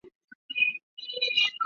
明洪武年间重建。